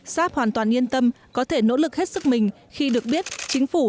sáp hoàn toàn yên tâm có thể nỗ lực hết sức mình khi được biết chính phủ